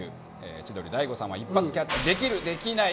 千鳥・大悟さんは一発キャッチできる？できない？